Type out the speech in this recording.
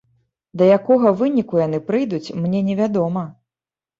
Да якога выніку яны прыйдуць, мне не вядома.